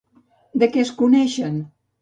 De què es coneixen?